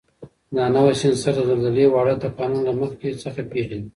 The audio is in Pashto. دا نوی سینسر د زلزلې واړه ټکانونه له مخکې څخه پېژني.